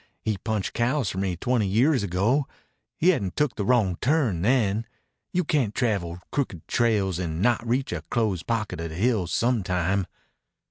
He punched cows for me twenty years ago. He hadn't took the wrong turn then. You cayn't travel crooked trails an' not reach a closed pocket o' the hills sometime."